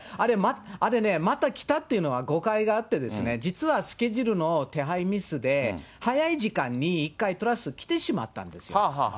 あれね、また来たっていうのは誤解があって、実はスケジュールの手配ミスで、早い時間に一回、トラス来てしまったんですよ。